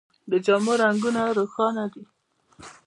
د جامو رنګونه روښانه دي.